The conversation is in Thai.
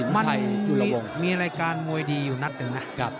มันมีรายการมวยดีอยู่นัดหนึ่งนะ